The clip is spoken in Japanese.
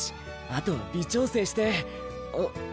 あとは微調整してうん？